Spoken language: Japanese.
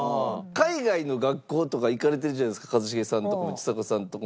海外の学校とか行かれてるじゃないですか一茂さんのとこもちさ子さんのとこも。